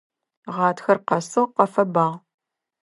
Гъатхэр къэсыгъ, къэфэбагъ.